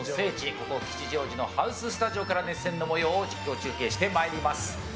ここ、吉祥寺のハウススタジオから熱戦の模様を実況中継してまいります。